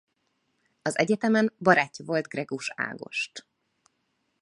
Az egyetemen barátja volt Greguss Ágost.